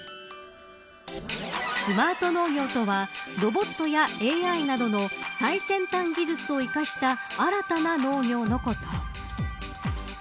スマート農業とはロボットやＡＩなどの最先端技術を生かした新たな農業のこと。